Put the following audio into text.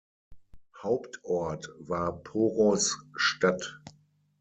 Hauptort war Poros-Stadt.